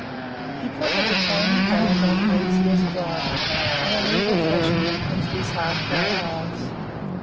He put a detaining hand on Hosea's bridle and an evil flash came into his hard grey eyes.